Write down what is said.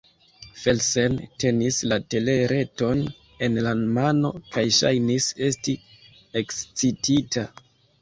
Felsen tenis la telereton en la mano kaj ŝajnis esti ekscitita.